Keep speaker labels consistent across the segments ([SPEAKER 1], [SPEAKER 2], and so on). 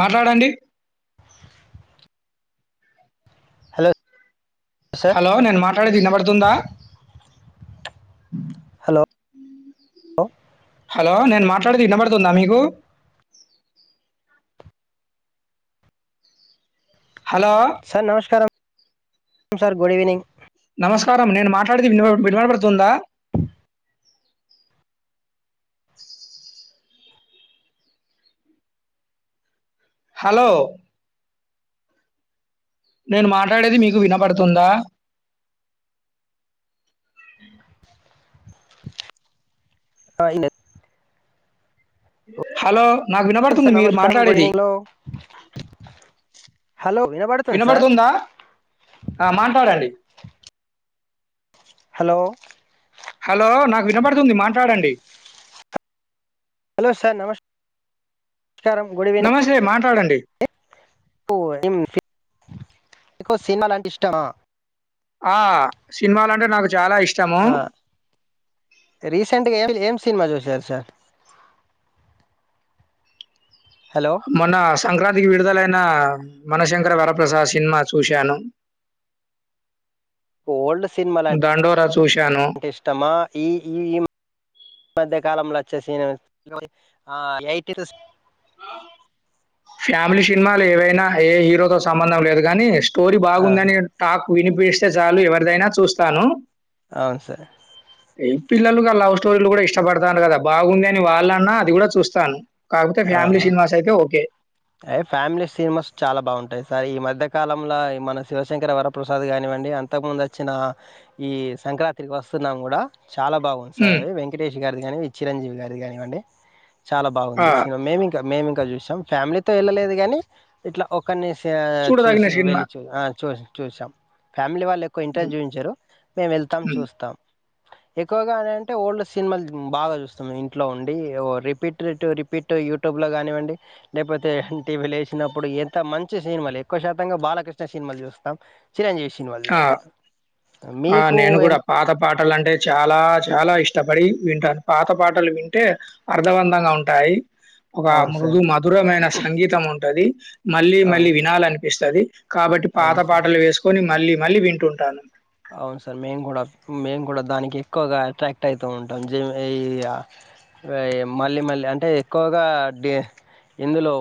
[SPEAKER 1] మాట్లాడండి
[SPEAKER 2] hello sir
[SPEAKER 1] hello నేను మాట్లాడేది వినబడుతుందా
[SPEAKER 2] హలో
[SPEAKER 1] హలో నేను మాట్లాడేది వినబడుతుందా మీకు హలో
[SPEAKER 2] సార్ నమస్కారం మ్ సార్ గుడ్ ఈవినింగ్
[SPEAKER 1] నమస్కారం నేను మాట్లాడితే వి వినవడబడపడుతుందా హలో నేను మాట్లాడేది మీకు వినపడుతుందా
[SPEAKER 2] ఆ ఇన
[SPEAKER 1] హలో నాకు వినబడుతుంది
[SPEAKER 2] సార్
[SPEAKER 1] మీరు
[SPEAKER 2] నమస్కారం గుడ్
[SPEAKER 1] మాట్లాడేది.
[SPEAKER 2] ఈవినింగ్ హలో వినబడుతుంది సార్
[SPEAKER 1] వినబడుతుందా ఆ మాట్లాడండి
[SPEAKER 2] హలో
[SPEAKER 1] హలో నాకు వినపడుతుంది మాట్లాడండి
[SPEAKER 2] హలో సర్ నమస్ మస్కారం గుడ్ ఈవినింగ్
[SPEAKER 1] ట్లాడండి
[SPEAKER 2] కు ఏం సి మీకు సినిమాలంటే ఇష్టమా
[SPEAKER 1] ఆ సినిమాలంటే నాకు చాలా ఇష్టము.
[SPEAKER 2] ఆ రీసెంట్గా ఏం ఏం సినిమా చూసారు సర్
[SPEAKER 1] మొన్న సంక్రాంతికి విడుదలయిన మనశంకర వరప్రసాద్ సినిమా చూశాను
[SPEAKER 2] ఓల్డ్ సినిమలం
[SPEAKER 1] దండోరా చూశాను.
[SPEAKER 2] టే ఇష్టమా ఈ ఈ ఈ మధ్య కా కాలంలో వచ్చ స ఆ ఎయిటీస్
[SPEAKER 1] ఫ్యామిలీ సినిమాలు ఏవైనా ఏ హీరోతో సంబంధం లేదు కానీ స్టోరీ బాగుందని టాక్ విని పిలిస్తే చాలు ఎవరిదైనా చూస్తాను
[SPEAKER 2] అవును సార్
[SPEAKER 1] ఏ పిల్లలుగ లవ్ స్టోరీలు కూడా ఇష్టపడతాను కదా బాగుంది అని వాళ్ళన్నా అది గూడ చూస్తాను కాకపోతే
[SPEAKER 2] ఆ,
[SPEAKER 1] ఫ్యామిలీ సినిమాసయితె ఓకే
[SPEAKER 2] ఏ ఫ్యామిలీ సినిమాస్ చాలా బాగుంటాయి సార్ ఈ మధ్యకాలంలో మన శివశంకర వరప్రసాద్ కానివ్వండి అంతకుముందు వచ్చిన ఈ సంక్రాంతికి వస్తున్నాం కూడా చాలా బాగుంది సార్
[SPEAKER 1] హ్మ్.
[SPEAKER 2] అవి వెంకటేష్ గారిది కానీవి చిరంజీవి గారిది కానివ్వండి చాలా
[SPEAKER 1] ఆ!
[SPEAKER 2] బాఉంది మేమింకా మేము ఇంకా చూసాం ఫ్యామిలీతో వెళ్ళలేదుగాని ఇట్లా ఒకరిని ఇగ
[SPEAKER 1] చూడదగిన
[SPEAKER 2] చూసి
[SPEAKER 1] సినిమా.
[SPEAKER 2] వెళ్ళి చూ ఆ చూ చూసాం ఫ్యామిలీ వాళ్ళు ఎక్కువ
[SPEAKER 1] హ్మ్.
[SPEAKER 2] ఇంట్రెస్ట్ చూయించరు మేము వెళ్తాం
[SPEAKER 1] హ్మ్.
[SPEAKER 2] చూస్తాం ఎక్కువగా అ అంటే ఓల్డ్ సినిమాలు బాగా జూస్తం ఇంట్లో ఉండి ఓ రిపీటట్ రీ పిట్ యూట్యూబ్ లో కానివ్వండి లేకపోతే టీవీలో ఏశినప్పుడు ఎంత మంచి సినిమాలు ఎక్కువ శాతంగా బాలకృష్ణ సినిమాలు చూస్తాం చిరంజీవి సినిమాలు
[SPEAKER 1] ఆ
[SPEAKER 2] చూసేస్తాం
[SPEAKER 1] ఆ
[SPEAKER 2] మీకు
[SPEAKER 1] నేను
[SPEAKER 2] ఎ
[SPEAKER 1] కూడా పాత పాటలు అంటే చాలా చాలా ఇష్టపడి వింటాను పాత పాటలు వి అంటే అర్థవంతంగా ఉంటాయి. ఒక
[SPEAKER 2] అవును
[SPEAKER 1] మృదు
[SPEAKER 2] సార్
[SPEAKER 1] మధురమైన సంగీతం ఉంటది. మళ్ళీ
[SPEAKER 2] అవును
[SPEAKER 1] మళ్ళీ
[SPEAKER 2] సార్
[SPEAKER 1] వినాలనిపిస్తది. కాబట్టి పాత
[SPEAKER 2] అవును సార్
[SPEAKER 1] పాటలు వేసుకొని. మళ్లీ. మళ్ళీ వింటుంటాను.
[SPEAKER 2] అవును సార్ మేము కూడా మేము కూడా దానికి ఎక్కువగా అట్రాక్ట్ అయితూ ఉంటాం. ఆహ్ ఈ య మళ్ళీ మళ్ళీ అంటే ఎక్కువగా ఇందులో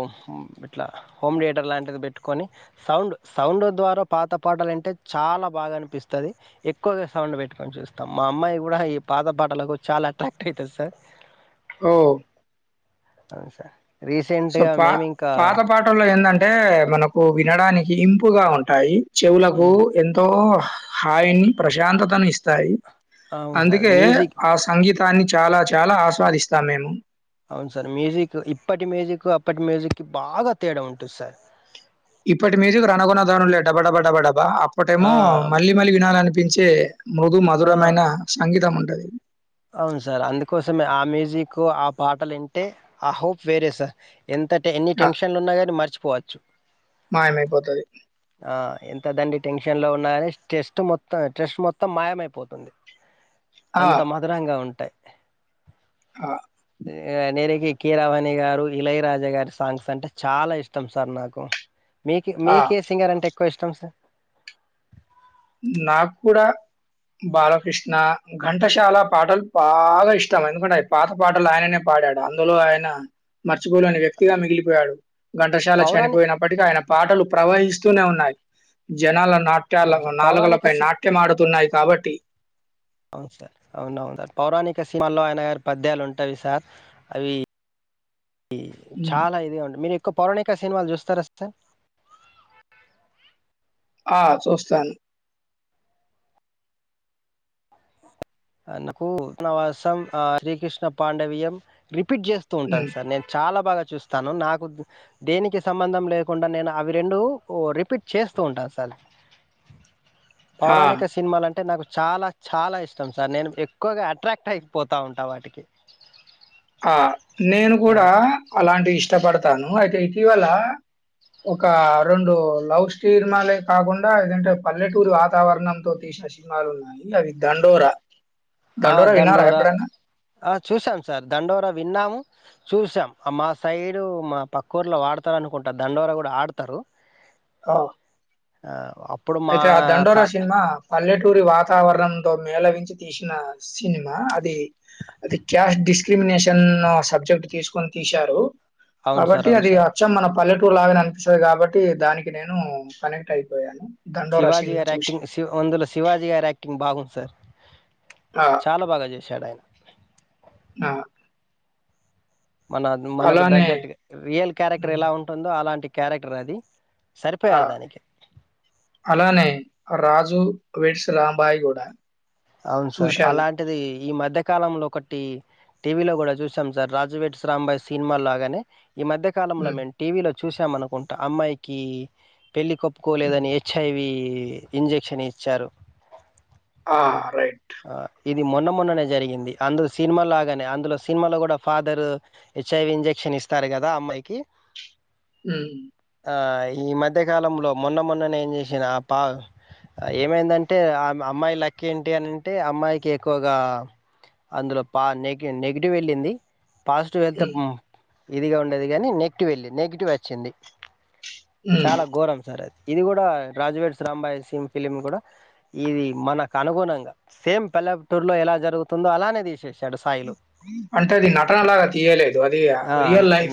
[SPEAKER 2] ఇట్లా హోమ్ థియేటర్ లాంటిది పెట్టుకొని సౌండ్ సౌండ్ ద్వారా పాత పాటాలు వింటే చాలా బాగా అనిపిస్తది. వస్తది ఎక్కువగా సౌండ్ పెట్టుకొని చూస్తాం. మా అమ్మాయి కూడా ఈ పాత పాటలకు చాలా అట్రాక్ట్ అయితది సార్.
[SPEAKER 1] ఓ.
[SPEAKER 2] ఆహ్ సార్.
[SPEAKER 1] సో
[SPEAKER 2] రీసెంట్గా
[SPEAKER 1] పా
[SPEAKER 2] మేము ఇంకా
[SPEAKER 1] పాత పాటల్లో ఏందంటే మనకు వినడానికి. ఇంపుగా ఉంటాయి. చెవులకు ఎంతో. హాయిని ప్రశాంతతను ఇస్తాయి.
[SPEAKER 2] అవును సార్
[SPEAKER 1] అందుకే
[SPEAKER 2] మ్యూజిక్
[SPEAKER 1] ఆ సంగీత్. దాన్ని చాలా చాలా ఆస్వాదిస్తాను నేను.
[SPEAKER 2] అవును సార్ మ్యూజిక్ ఇప్పటి మ్యూజిక్ అప్పటి మ్యూజిక్ బాగా తేడా ఉంటది సార్.
[SPEAKER 1] ఇప్పటి మ్యూజిక్ రనుకొన్నధానం లేటప టప టప టపా.
[SPEAKER 2] ఆ
[SPEAKER 1] అప్పటేమో మళ్ళీ మళ్ళీ వినాలని. పించే. మృధు
[SPEAKER 2] ఆ
[SPEAKER 1] మధురమైన సంగీతం ఉం. అదే
[SPEAKER 2] అవును సార్ అందుకోసమే ఆ మ్యూజిక్ ఆ పాటలు వింటే ఆ హోప్ వేరే సార్. ఎంత టే ఎన్ని
[SPEAKER 1] ఆ!
[SPEAKER 2] టెన్షన్లు ఉన్నా కానీ మర్చీ. పోవచ్చు.
[SPEAKER 1] మాయమైపోతది.
[SPEAKER 2] ఆహ్ ఎంత దండి టెన్షన్ లో ఉన్నా కాని స్ట్రెస్ట్ మొత్తం స్ట్రెస్ మొత్తం మాయమైపోతుంది.
[SPEAKER 1] ఆ!
[SPEAKER 2] అంత మర్. అంగా ఉంటాయి.
[SPEAKER 1] ఆహ్
[SPEAKER 2] ఆహ్ నేరకి, కిరవాణి గారు, ఇలయరాజా గారి సాంగ్స్ అంటే చాలా ఇష్టం సార్ నాకు.
[SPEAKER 1] ఆ!
[SPEAKER 2] మీకు ఏ సింగర్ అంటే. కష్టం సార్.
[SPEAKER 1] నాకు కూడా బాలకృష్ణ, ఘంటశాల పాటలు బాగా ఇష్టం. ఎందుకంటే పాత పాటలు ఆయననే పాడాడు. అందులో ఆయన మర్చిపోలేని వ్యక్తిగా మిగిలిపోయాడు. ఘంటషాల
[SPEAKER 2] పౌరాణి
[SPEAKER 1] చనిపోయినప్పటికి ఆయన పాటలు ప్రవహిస్తూనే ఉన్నాయి జనాలను. నాట్యాల.
[SPEAKER 2] సార్. అవును
[SPEAKER 1] నాలుకలపై నాట్యమాడుతున్నాయి కాబట్టి.
[SPEAKER 2] సార్ అవునువును. మళ ఆయన గారి పద్యాలు ఉంటావి సార్ అవి.
[SPEAKER 1] హ్మ్.
[SPEAKER 2] చాల ఇదిగ ఉంటాయ్ మీర్ ఎక్. పౌరణిక సినిమాలు చూస్తార సార్
[SPEAKER 1] ఆ చుస్తాను
[SPEAKER 2] నాకు ఉనవాసం ఆ శ్రీకృష్ణ పాండవియం రి రిపీట్ చేస్తూ ఉంటాను
[SPEAKER 1] హ్మ్.
[SPEAKER 2] సార్ నేను చాల బాగ చూస్తాను నాకు దేనికి సంబంధం లేకుండ నేను అవి రెండు రిపీట్ చేస్తూ ఉంటాను సార్
[SPEAKER 1] ఆ!
[SPEAKER 2] పౌరాణిక సినిమాలు అంటే నాకు చాల చాల ఇష్ ష్టం సార్ నేను ఎక్కువగా అట్రాక్ట్ అయిపోతా ఉంటా వాటికి
[SPEAKER 1] ఆ నేను
[SPEAKER 2] ఆ
[SPEAKER 1] కూడ అలాంటి ఇ ష్టపడతాను అయితే ఇటీవల ఒక రెండు లవ్ సినిమాలే కాకుండా ఏదంటే పల్లెటూరి వాతావరణంతో తీసిన సినిమాలు ఉన్నాయి దండోర
[SPEAKER 2] ఆ
[SPEAKER 1] విన్నారా
[SPEAKER 2] దండోర
[SPEAKER 1] ఎప్పుడైనా?
[SPEAKER 2] ఆ చూసాం సార్ దండోర విన్నాము చూసాం మా సైడు మా పక్కూర్లో వడతారునుకుంటా దండోర కూడా ఆడతారు
[SPEAKER 1] ఔను
[SPEAKER 2] ఆ అప్పుడు మా
[SPEAKER 1] అయితే ఆ
[SPEAKER 2] తా
[SPEAKER 1] దండోరా సినిమా పల్లెటూరి వాతావరణంతో మేళవించి తీసిన సినిమా. అది అది క్యాస్ట్ డిస్క్రిమినేషన్ సబ్జెక్ట్ తీసుకొని తీశారు.
[SPEAKER 2] అవును సార్
[SPEAKER 1] కాబట్టి
[SPEAKER 2] అవును
[SPEAKER 1] అది
[SPEAKER 2] సార్
[SPEAKER 1] అచ్చం మన పల్లెటు టూరు లాగా అనిపిస్తుంది కాబట్టి, దానికి నేను కనెక్ట్ అయిపోయాను 'దండోర'
[SPEAKER 2] శివాజీ
[SPEAKER 1] సినిమా
[SPEAKER 2] గారి
[SPEAKER 1] చూసి.
[SPEAKER 2] యాక్టింగ్ శివ అందులో శివాజీ గారి యాక్టింగ్ బాగుంది సార్
[SPEAKER 1] ఆ!
[SPEAKER 2] చాలా బాగా చేశాడు ఆయన
[SPEAKER 1] ఆ
[SPEAKER 2] మన మనకు
[SPEAKER 1] అలానే
[SPEAKER 2] తగ్గట్గా రియల్ క్యారెక్టర్
[SPEAKER 1] హ్మ్.
[SPEAKER 2] ఎలా ఉంటుందో అలాంటి క్యారెక్టర్ అది
[SPEAKER 1] ఆ
[SPEAKER 2] సరిపోయారు దానికి
[SPEAKER 1] అలనే ఆ రాజు వెడ్స్ రాంబాయి గూడ
[SPEAKER 2] అవును సార్ అలాంటిది ఈ మధ్యకాలంలో ఒకటి టీవీలో కూడా చూసాం సార్ రాజు వెడ్స్ రాంబాయ్ సినిమా లాగానె ఈ మధ్య కాలంలో
[SPEAKER 1] హ్మ్.
[SPEAKER 2] మేము టీవీలో చూసాము అనుకుంటా అమ్మాయికి పెళ్లి
[SPEAKER 1] హ్మ్.
[SPEAKER 2] కోప్పుకోలేదని హెచ్ఐవి ఈ ఇంజక్షన్ ఇచ్చారు
[SPEAKER 1] ఆ రైట్
[SPEAKER 2] ఆ ఇది మొన్న మొన్ననే జరిగింది. అందు సినిమా లాగానే, అందులో సినిమాలో కూడా ఫాదర్ హెచ్ఐవి ఇంజక్షన్ ఇస్తారు కదా అమ్మాయికి,
[SPEAKER 1] ఉమ్
[SPEAKER 2] ఈ మధ్యకాలంలో మొన్న మొన్న నేను చేసిన ఆ పా ఏమైందంటే ఆ అమ్మాయి లక్కి ఏంటి అని అంటే అమ్మాయికి ఎక్కువగా అందులో పా నెగి్ నెగిటివ్ వెళ్ళింది పాజిటివ్ వెళ్తే
[SPEAKER 1] హ్మ్.
[SPEAKER 2] బ ఇదిగా ఉండేది గానీ నెగిటివ్ వెళ్ళింది నెగిటివ్ వచ్చింది
[SPEAKER 1] హ్మ్.
[SPEAKER 2] చాలా ఘోరం సార్ అది ఇది కూడా రాజువేట్స్ రాంబాయ్ సి ఫిలిం కూడా ఇది మనకు అనుగుణంగా సేమ్ పల్ల టూర్ లో ఎలా జరుగుతుందో అలానే తీసేసి
[SPEAKER 1] అంటది నటనలాగా తీయలే
[SPEAKER 2] ఆ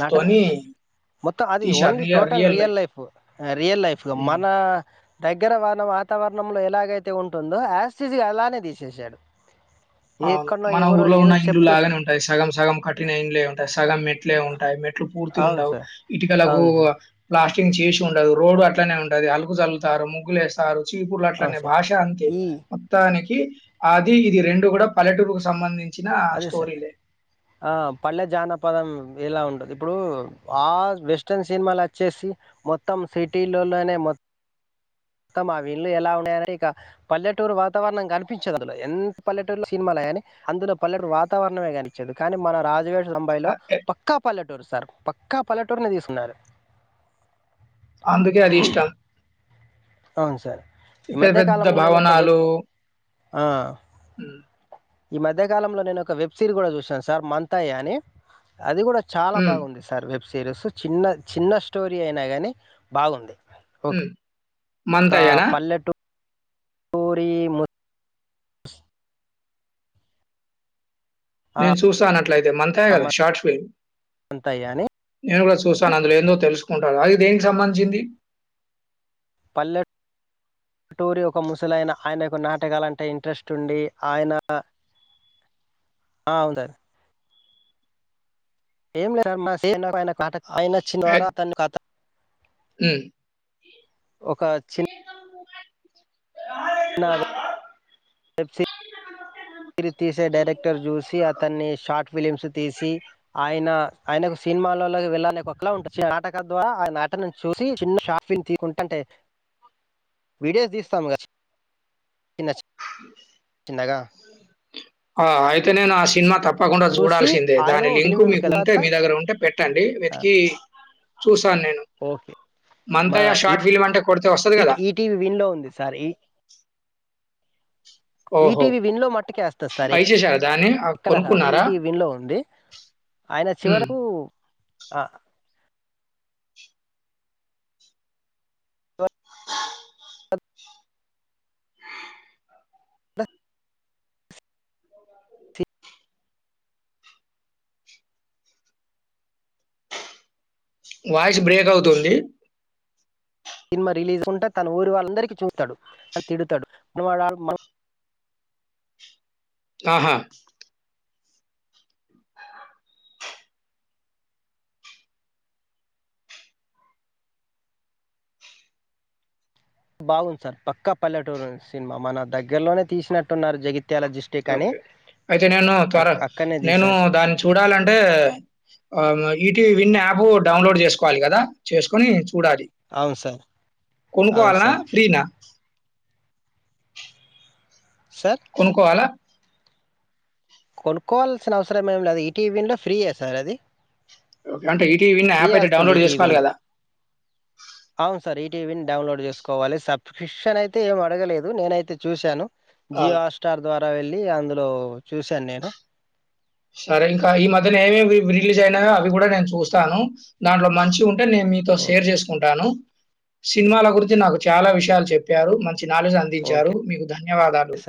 [SPEAKER 2] నటన మొత్తం అది only total real life real life
[SPEAKER 1] హ్మ్.
[SPEAKER 2] మన దగ్గర వాన వాతావరణంలో ఎలాగైతే ఉంటుందో యాస్టిజగా అలానే తీసేసారు
[SPEAKER 1] అవును మన ఊర్లో ఉన్న ఇండ్లు లాగానే ఉంటాయి సగం సగం కట్టిన ఇండ్ళ ఉంటాయి సగం మె ట్లే ఉంటాయి మెట్లు పూర్తి
[SPEAKER 2] అవును
[SPEAKER 1] ఉండవు
[SPEAKER 2] సార్
[SPEAKER 1] ఇకలకు
[SPEAKER 2] అవును సార్
[SPEAKER 1] ప్లాస్ కింగ్ చేసి ఉండదు రోడ్డు అట్లనే ఉంటది అలుగు చల్లుతారు ముగ్గులు వేస్తారు చీపుర్లు
[SPEAKER 2] అవును
[SPEAKER 1] అట్లనే
[SPEAKER 2] సార్
[SPEAKER 1] భాష అంతే
[SPEAKER 2] ఈ
[SPEAKER 1] మొత్తానికి కి అది ఇది రెండు కూడా పలెటూరు కు సంబంధిం
[SPEAKER 2] అదే సార్ ఆ పళ్ళే జానపదం ఇలా ఉంటదు ఇప్పుడు ఆ వెస్ట్రన్ సినిమాలు వచ్చేసి మొత్తం సిటీలల్లోనే మొత్తం మొత్తం ఆ వీళ్లు ఎలా ఉన్నాయని ఇక పల్లెటూరు వాతావరణం కనిపించదు అందులో ఎంత పల్లెటూరులో సినిమాలు కానీ అందులో పల్లెడు వాతావరణమే కానిపించదు కానీ మన రాజువేడ్ రంబాయ్ లో
[SPEAKER 1] అ ఎ
[SPEAKER 2] పక్కా పల్లెటూరు సా సార్ పక్కా పల్లెటూరిని తీసున్నారు
[SPEAKER 1] అందుకే అది ఇష్టం
[SPEAKER 2] అవును సార్ ఈ
[SPEAKER 1] పెద్ద
[SPEAKER 2] మధ్య
[SPEAKER 1] పెద్ద
[SPEAKER 2] కాలంలో నేను ఒక వెబ్
[SPEAKER 1] భవనాలు
[SPEAKER 2] ఆ
[SPEAKER 1] హ్మ్.
[SPEAKER 2] ఈ మధ్య కాలంలో నేను ఒక వెబ్ సిరీ కూడా చూసాను సార్ మంతాయ అని అది కూడా చాలా
[SPEAKER 1] హ్మ్.
[SPEAKER 2] బాగుంది సార్ వెబ్ సిీరీస్ చిన్న చిన్న స్టోరీ అయినా కాని బాగుంది
[SPEAKER 1] హు
[SPEAKER 2] ఒకా పల్లెటు టురి ము ఆ,
[SPEAKER 1] నేను చూస్తాను అట్లయితే మంతయ్య కదా షార్ట్ ఫల్మ్
[SPEAKER 2] మంతయ్య అని
[SPEAKER 1] నేను కూడా చూస్తాను అందులో ఏందో తెలుసుకో ఉంటారు అది దేనికి సంబంధించింది
[SPEAKER 2] పల్లె పల్లెటూరి ఒక ముసలైన ఆయనకు నాటకాలంటే ఇంట్రెస్ట్ ఉండి ఆయన అందే ఏం లేదు స్టేజ్ పైనా నట ఆయన
[SPEAKER 1] ఎ
[SPEAKER 2] వచ్చినవారా అతని అతన్
[SPEAKER 1] హ్మ్.
[SPEAKER 2] ఒక చిన్న
[SPEAKER 1] ఆ
[SPEAKER 2] అనావే మీరు తీసే డైరెక్టర్ చూసి అతన్ని షార్ట్ ఫిలిమ్స్ తీసి ఆయన ఆయనకు సినిమాలలోకి వెళ్ళాలనే ఒకక్కలా ఉంటుంది నాటక ద్వారా ఆయ నాటను చూసి చిన్న షాపిని తీకుంటే అంటే వీడియోస్ తీస్తాము కదా చిన్న చి చిన్నగా
[SPEAKER 1] ఆ అయితే నేను ఆ సినిమా తప్ప తప్పకుండా
[SPEAKER 2] చూసి
[SPEAKER 1] చూడాల్సిందే
[SPEAKER 2] ఆయన
[SPEAKER 1] దాని లింకు
[SPEAKER 2] ఫిలిం
[SPEAKER 1] మీకు ఉంటే
[SPEAKER 2] తర్వాత
[SPEAKER 1] మీ దగ్గర ఉంటే పెట్టండి వెతికి చూసి నేను
[SPEAKER 2] ఓకే మన
[SPEAKER 1] మంతాయ
[SPEAKER 2] ఈ
[SPEAKER 1] షార్ట్ ఫిల్మ్ అంటే కొడితే వస్తది
[SPEAKER 2] ఈ
[SPEAKER 1] కదా
[SPEAKER 2] ఈటీవీ విన్ లో ఉంది సార్ ఈ ఈటీవీ విన్ లో మట్టుకే వేస్తది సార్
[SPEAKER 1] బై చేసారా దాన్ని? ఆహ్,
[SPEAKER 2] ఎక్కడ రాదు
[SPEAKER 1] కొనుక్కున్నారా?
[SPEAKER 2] ఈటీవీ విన్ లో ఉంది ఆయన
[SPEAKER 1] హ్మ్.
[SPEAKER 2] చివరకు
[SPEAKER 1] వాయిస్ బ్రేక్ అవుతుంది
[SPEAKER 2] సినిమా రిలీజ్ ఉంటే తన ఊరి వాళ్ళందరికీ చూతాడు అని తిడుతాడు మనవాడు
[SPEAKER 1] ఆహా
[SPEAKER 2] బాగుంది సార్ పక్కా పల్లెటురుంది సినిమా మన దగ్గరలోనే తీసినట్టున్నారు జగిత్య
[SPEAKER 1] ఓకే అయితే నేను త్వర
[SPEAKER 2] అక్కడనే
[SPEAKER 1] నేను
[SPEAKER 2] తీశాడు
[SPEAKER 1] దాన్ని చూడాలంటే ఈటి విన్ యాప్ డౌన్లోడ్ చేసుకోవాలి కదా చేసుకోని చూడాలి
[SPEAKER 2] అవును సార్ అవును
[SPEAKER 1] కొనుకోవాలనా
[SPEAKER 2] సార్
[SPEAKER 1] ఫ్రీనా
[SPEAKER 2] సార్
[SPEAKER 1] కొనుక్కోవాలా
[SPEAKER 2] కొనుక్కోవాల్సిన అవసరం ఏం లేదు ఈటీవీ విన్ లో ఫ్రీయే సార్ అది
[SPEAKER 1] అంటే ఈటీవీ విన్
[SPEAKER 2] ఫ్రీ
[SPEAKER 1] యాప్ అయితే
[SPEAKER 2] వస్తుంది
[SPEAKER 1] డౌన్లోడ్
[SPEAKER 2] ఈటీవీ విన్
[SPEAKER 1] చేసుకోవాలి
[SPEAKER 2] లో
[SPEAKER 1] కదా
[SPEAKER 2] అవును సార్ ఈటీవీ విన్ డౌన్లోడ్ చేసుకోవాలి సబ్స్క్రిప్షన్ అయితే ఏం అడగలేదు నేనైతే చూశాను
[SPEAKER 1] ఆ!
[SPEAKER 2] జియో హాట్స్టార్ ద్వారా వెళ్ళి అందులో చూశాను నేను
[SPEAKER 1] సరే ఇంకా ఈ మధ్యనే ఏమేమి రిలీజ్ అయినాయో అవి కూడా నేను చూస్తాను దాంట్లో మంచి ఉన్ టే నేను మీతో షేర్
[SPEAKER 2] ఓకే
[SPEAKER 1] చేసుకుంటాను సినిమాల గురించి నాకు చాలా విషయాలు చెప్పారు మంచి చి నాలుజ
[SPEAKER 2] ఓకే
[SPEAKER 1] అందించారు మీకు ధన్యవాదాలు
[SPEAKER 2] సార్